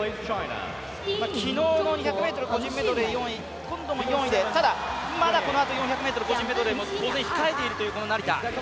昨日の２００ｍ個人メドレー４位今度も４位で、ただ、まだこのあと４００ｍ個人メドレーも当然控えているという成田。